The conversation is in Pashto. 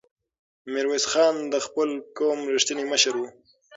میرویس خان د خپل قوم رښتینی مشر و.